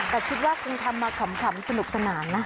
แต่คิดว่าคงทำมาขำสนุกสนานนะ